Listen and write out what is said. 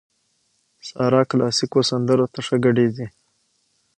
سارا کلاسيکو سندرو ته ښه ګډېږي.